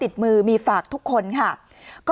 ไปเยี่ยมผู้แทนพระองค์